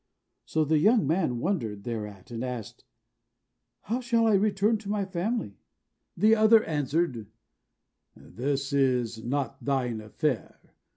So the young man wondered thereat, and asked, "How shall I return to my family?" The other answered, "This is not thine affair.